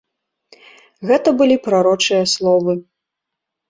Гэта былі прарочыя словы.